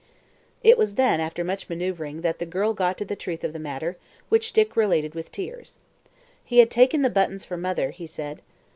It was then, after much manoeuvring, that the girl got to the truth of the matter, which Dick related with tears. He had taken the buttons for mother, he said.